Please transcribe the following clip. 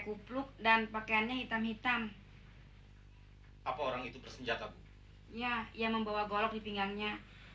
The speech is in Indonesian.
kupluk dan pakaiannya hitam hitam apa orang itu bersenjata bu ya ia membawa golok di pinggangnya